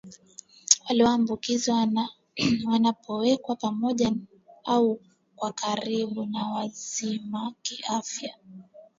walioambukizwa wanapowekwa pamoja au kwa karibu na wazima kiafya